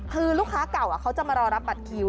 คือลูกค้าเก่าเขาจะมารอรับบัตรคิว